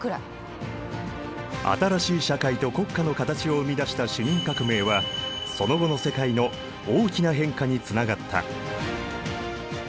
新しい社会と国家の形を生み出した市民革命はその後の世界の大きな変化につながった。